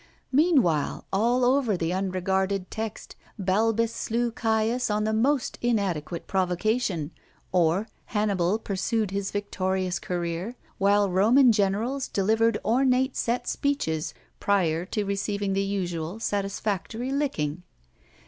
Meanwhile, all over the unregarded text Balbus slew Caius on the most inadequate provocation, or Hannibal pursued his victorious career, while Roman generals delivered ornate set speeches prior to receiving the usual satisfactory licking.